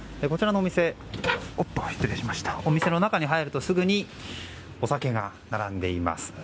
こちらのお店の中に入るとすぐにお酒が並んでいます。